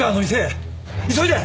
急いで！